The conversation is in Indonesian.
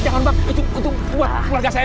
jangan pak itu keluarga saya